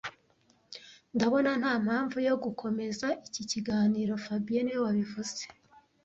Ndabona ntampamvu yo gukomeza iki kiganiro fabien niwe wabivuze